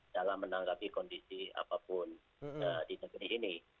dalam menanggapi kondisi apapun di negeri ini